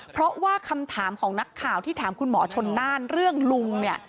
เพราะว่าคำถามของนักข่าวที่ถามคุณหมอชนน่านเรื่องลุงเนี่ย